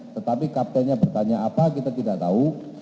tetapi kaptennya bertanya apa kita tidak tahu